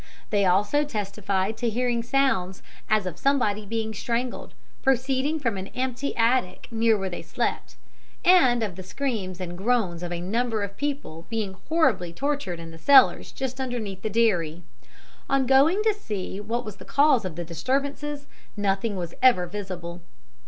They also testified to hearing sounds as of somebody being strangled, proceeding from an empty attic near where they slept, and of the screams and groans of a number of people being horribly tortured in the cellars just underneath the dairy. On going to see what was the cause of the disturbances, nothing was ever visible.